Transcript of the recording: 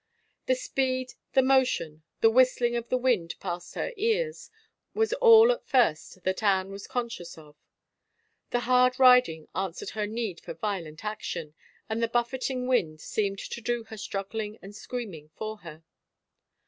The speed, the motion, the whistling of the wind past her ears, was all at first that Anne was conscious of. The hard riding answered her need for violent action and the buffeting wind seemed to do her struggling and screaming for her.